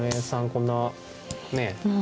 こんなね